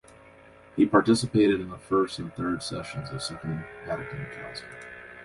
He participated in the first and third sessions of Second Vatican Council.